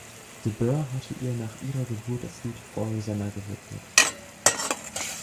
De Burgh hatte ihr nach ihrer Geburt das Lied "For Rosanna" gewidmet.